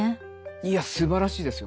いやすばらしいですよ